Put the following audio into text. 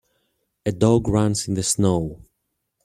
A dog runs in the snow.